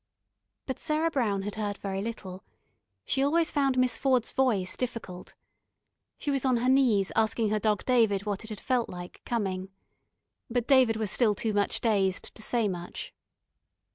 But Sarah Brown had heard very little. She always found Miss Ford's voice difficult. She was on her knees asking her dog David what it had felt like, coming. But David was still too much dazed to say much.